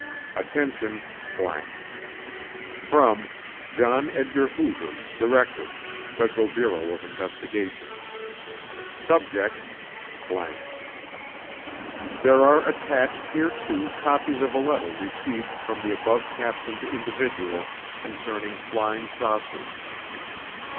Attention: ____ From : John Edgar Hoover, Director Federal Bureau of Investigation Subject: ____ There are attached hereto copies of a letter received from the above captioned individual concerning "flying saucers."